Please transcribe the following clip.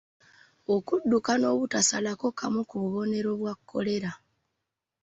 Okuddukana obutasalako kamu ku bubonero bwa Kkolera.